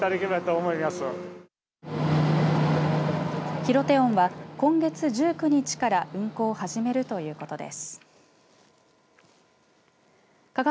ひろておんは今月１９日から運航を始めるということです。